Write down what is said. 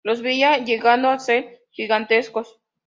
Los veía llegando a ser gigantescos".